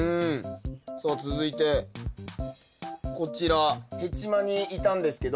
さあ続いてこちらヘチマにいたんですけど。